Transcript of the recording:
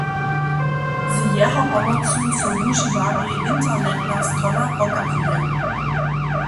Z jeho pomocu so wužiwarjej internetna strona pokazuje.